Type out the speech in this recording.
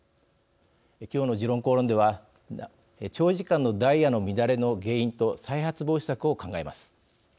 今日の「時論公論」では長時間のダイヤの乱れの原因と再発防止策を考えます。